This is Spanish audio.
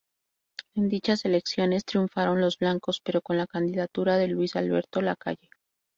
En dichas elecciones triunfaron los blancos, pero con la candidatura de Luis Alberto Lacalle.